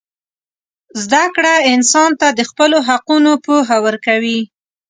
زدهکړه انسان ته د خپلو حقونو پوهه ورکوي.